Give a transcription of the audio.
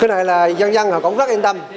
cái này là dân dân họ cũng rất yên tâm